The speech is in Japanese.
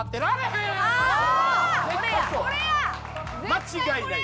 間違いない。